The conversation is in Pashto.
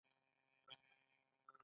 د ساحل اواز د دوی زړونه ارامه او خوښ کړل.